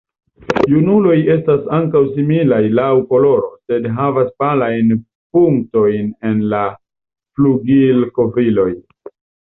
Junuloj estas ankaŭ similaj laŭ koloro, sed havas palajn punktojn en la flugilkovriloj.